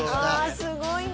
すごいね。